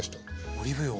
オリーブ油を。